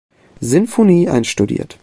Sinfonie einstudiert.